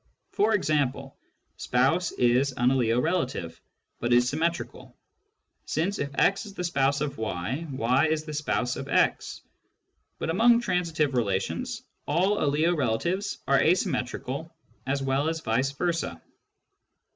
For example, " spouse " is an aliorelative, but is ^symmetrical, since if x is the spouse of y, y is the spouse of x. But among transitive relations, all aliorelatives are asymmetrical as well as vice versa.